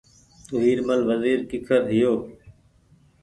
ويرمل وزيرڪيکرهيو